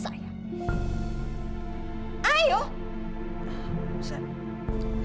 saya sudah tidak punya perasaan apa apa dengan masyarakat